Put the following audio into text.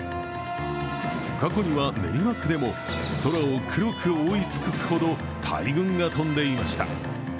過去には練馬区でも空を黒く覆い尽くすほど大群が飛んでいました。